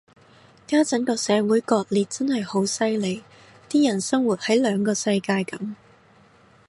家陣個社會割裂真係好犀利，啲人生活喺兩個世界噉